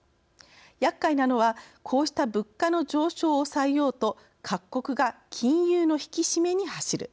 厄介なのはこうした物価の上昇を抑えようと各国が金融の引き締めに走る。